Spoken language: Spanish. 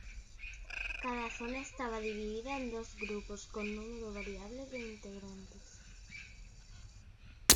Cada zona estaba dividida en dos grupos con número variable de integrantes.